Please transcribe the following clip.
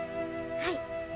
はい。